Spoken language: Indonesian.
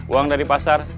uang dari pasar